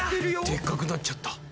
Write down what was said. でっかくなっちゃった。